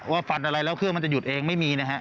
ฟันอะไรแล้วเครื่องมันจะหยุดเองไม่มีนะฮะ